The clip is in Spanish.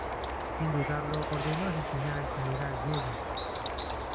Sin dudarlo ordenó asesinar al general Jedi.